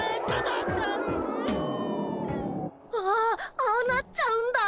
ああああなっちゃうんだ。